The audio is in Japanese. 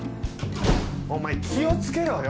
お前気を付けろよ？